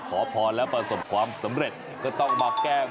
จังหวัดอางทองแล้วหากใครมาบนบานศาลเจ้าขอพรและประสบความสำเร็จ